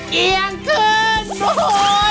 เอียงขึ้นโอ้โห